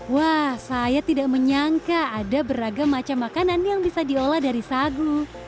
wah saya tidak menyangka ada beragam macam makanan yang bisa diolah dari sagu